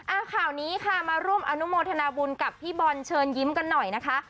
เอาข่าวนี้ค่ะมาร่วมอนุโมทนาบุญกับพี่บอลเชิญยิ้มกันหน่อยนะคะ